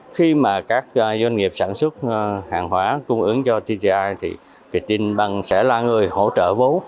khi các doanh nghiệp sản xuất hàng hóa cung ứng cho tti thì viettelbank sẽ là người hỗ trợ vốn